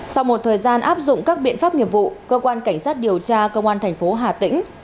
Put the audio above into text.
sau một thời gian áp dụng các biện pháp nghiệp vụ cơ quan cảnh sát điều tra công an thành phố hà tĩnh